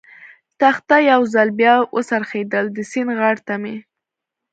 تخته یو ځل بیا و څرخېدل، د سیند غاړې ته مې.